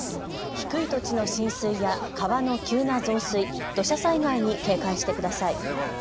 低い土地の浸水や川の急な増水、土砂災害に警戒してください。